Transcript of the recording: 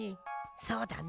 そうだね。